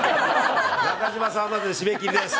中島さんまでで締め切りです。